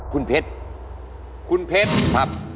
คุณเพชรคุณเพชรครับ